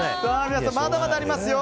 皆さん、まだまだありますよ。